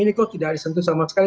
ini kok tidak disentuh sama sekali